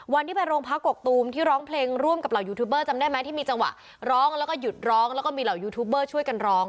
วันที่ไปโรงพักกกตูมที่ร้องเพลงร่วมกับเหล่ายูทูบเบอร์จำได้ไหมที่มีจังหวะร้องแล้วก็หยุดร้องแล้วก็มีเหล่ายูทูบเบอร์ช่วยกันร้อง